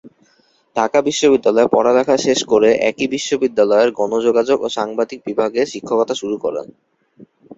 ঢাকা বিশ্ববিদ্যালয়ে পড়ালেখা শেষ করে একই বিশ্ববিদ্যালয়ের গণযোগাযোগ ও সাংবাদিক বিভাগে শিক্ষকতা শুরু করেন।